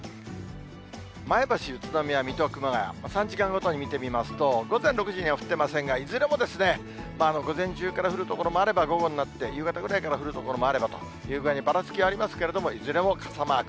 前橋、宇都宮、水戸、熊谷、３時間ごとに見てみますと、午前６時には降ってませんが、いずれも、午前中から降る所もあれば、午後になって夕方ぐらいから降る所もあればという具合に、ばらつきはありますけれども、いずれも傘マーク。